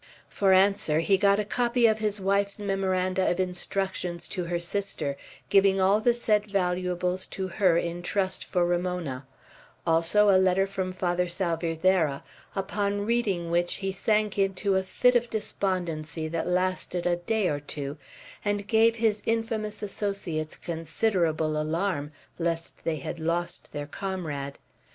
For answer, he got a copy of his wife's memoranda of instructions to her sister, giving all the said valuables to her in trust for Ramona; also a letter from Father Salvierderra, upon reading which he sank into a fit of despondency that lasted a day or two, and gave his infamous associates considerable alarm, lest they had lost their comrade.